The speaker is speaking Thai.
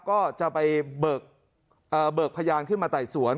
ก็จะไปเบิกเอ่อเบิกพยานขึ้นมาไต่สวน